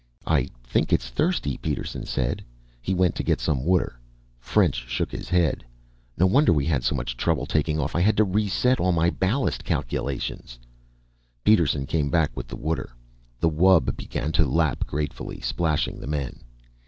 "I think it's thirsty," Peterson said. He went to get some water. French shook his head. "No wonder we had so much trouble taking off. I had to reset all my ballast calculations." Peterson came back with the water. The wub began to lap gratefully, splashing the men.